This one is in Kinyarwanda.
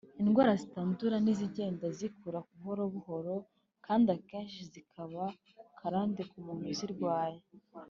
Indwara zitandura ni izigenda zikura buhoro buhoro kandi akenshi zikaba karande ku muntu uzirwaye